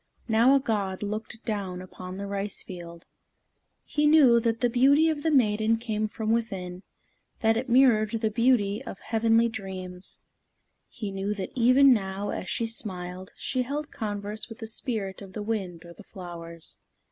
Now a god looked down upon the rice field. He knew that the beauty of the maiden came from within, that it mirrored the beauty of heavenly dreams. He knew that even now, as she smiled, she held converse with the spirit of the wind or the flowers.